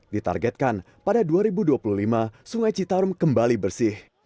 ditargetkan pada dua ribu dua puluh lima sungai citarum kembali bersih